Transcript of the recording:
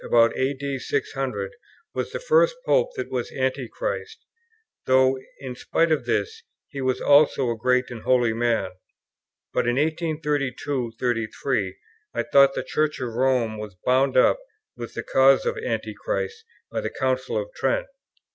about A.D. 600 was the first Pope that was Antichrist, though, in spite of this, he was also a great and holy man; but in 1832 3 I thought the Church of Rome was bound up with the cause of Antichrist by the Council of Trent.